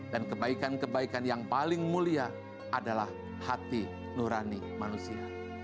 kebaikan kebaikan yang paling mulia adalah hati nurani manusia